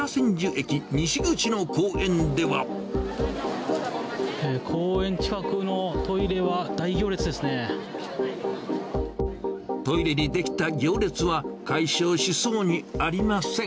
一方、公園近くのトイレは大行列でトイレに出来た行列は、解消しそうにありません。